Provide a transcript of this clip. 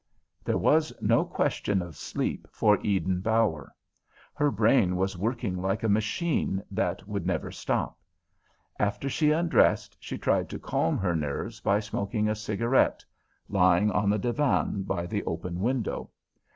There was no question of sleep for Eden Bower. Her brain was working like a machine that would never stop. After she undressed, she tried to calm her nerves by smoking a cigarette, lying on the divan by the open window.